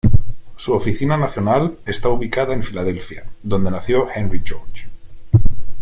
Su oficina nacional está ubicada en Filadelfia, donde nació Henry George.